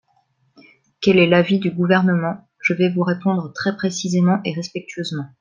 Quel est l’avis du Gouvernement ? Je vais vous répondre très précisément et respectueusement.